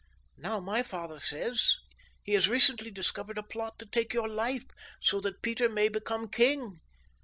Now, my father says, he has recently discovered a plot to take your life so that Peter may become king.